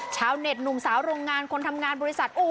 ชาวเน็ตหนุ่มสาวโรงงานคนทำงานบริษัท